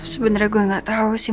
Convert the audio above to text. sebenarnya gue gak tau sih